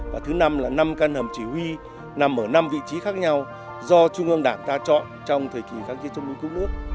và thứ năm là năm căn hầm chỉ huy nằm ở năm vị trí khác nhau do trung ương đảng ta chọn trong thời kỳ kháng chiến chống nước